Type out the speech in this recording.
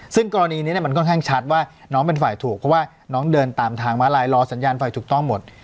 ซึ่งกรณีนี้มันค่อนข้างชัดว่าน้องเป็นฝ่ายถูกเพราะว่าน้องเดินตามทางมาลายรอสัญญาณไฟถูกต้องหมด